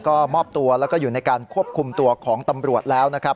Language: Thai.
ก็มอบตัวแล้วก็อยู่ในการควบคุมตัวของตำรวจแล้วนะครับ